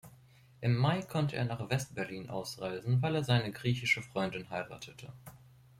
Im Mai konnte er nach West-Berlin ausreisen, weil er seine griechische Freundin heiratete.